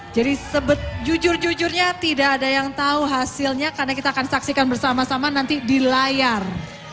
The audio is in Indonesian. jadi sebetulnya tidak ada yang tahu hasilnya karena kita akan saksikan bersama sama nanti di layar